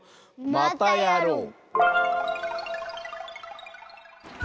またやろう！